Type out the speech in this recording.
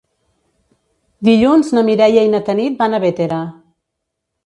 Dilluns na Mireia i na Tanit van a Bétera.